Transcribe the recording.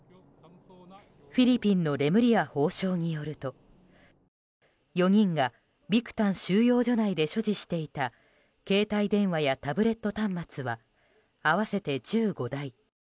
フィリピンのレムリヤ法相によると４人がビクタン収容所内で所持していた携帯電話やタブレット端末は合わせて１５台。